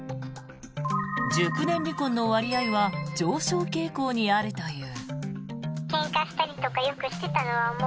熟年離婚の割合は上昇傾向にあるという。